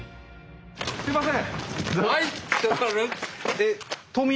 すいません！